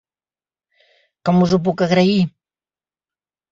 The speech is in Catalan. Com us ho puc agrair?